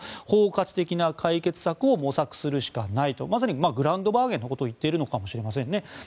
包括的な解決策を模索するしかないとまさにグランドバーゲンのことを言っているのかもしれません。